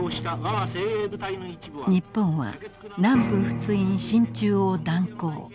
日本は南部仏印進駐を断行。